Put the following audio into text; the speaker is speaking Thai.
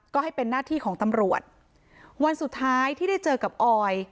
ก็ให้เป็นหน้าที่ของตำรวจวันสุดท้ายที่ได้เจอกับออย